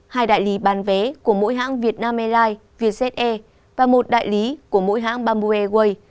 hai đại lý bán vé của mỗi hãng việt nam airlines vietjet air và một đại lý của mỗi hãng bamboo airways